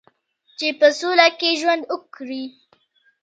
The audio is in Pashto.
چې په سوله کې ژوند وکړي.